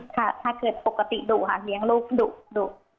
ถ้าเกิดปกติดุค่ะเลี้ยงลูกดุ